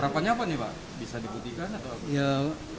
rampanya apa nih pak bisa dibutihkan atau apa